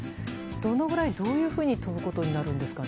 どのくらい、どういうふうに飛ぶことになるんですかね。